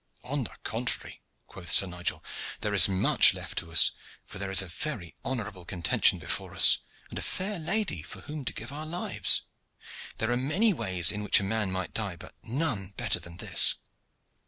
"On the contrary," quoth Sir Nigel, "there is much left to us, for there is a very honorable contention before us, and a fair lady for whom to give our lives. There are many ways in which a man might die, but none better than this."